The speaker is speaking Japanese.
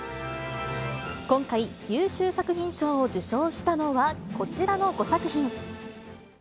今回、優秀作品賞を受賞したのはこちらの５作品。